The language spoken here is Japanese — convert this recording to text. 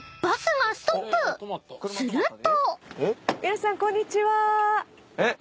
［すると］